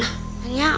aku mau masuk